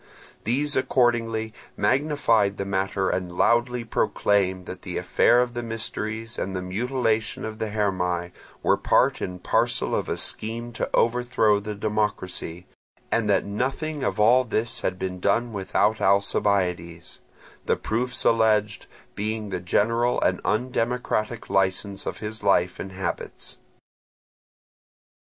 These accordingly magnified the matter and loudly proclaimed that the affair of the mysteries and the mutilation of the Hermae were part and parcel of a scheme to overthrow the democracy, and that nothing of all this had been done without Alcibiades; the proofs alleged being the general and undemocratic licence of his life and habits.